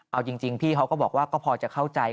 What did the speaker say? เอาจริงพี่เขาก็บอกว่าก็พอจะเข้าใจ